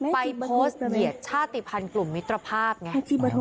ไปโพสต์เหยียดชาติภัณฑ์กลุ่มมิตรภาพไง